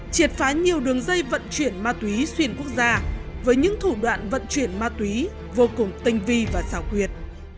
triệt phá nhiều đường dây vận chuyển ma túy xuyên quốc gia với những thủ đoạn vận chuyển ma túy vô cùng tinh vi và xào quyệt